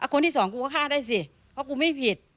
คนที่สองกูก็ฆ่าได้สิเพราะกูไม่ผิด